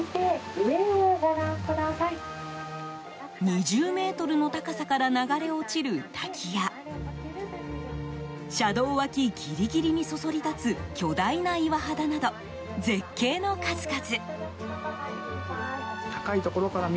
２０ｍの高さから流れ落ちる滝や車道脇ギリギリにそそり立つ巨大な岩肌など絶景の数々。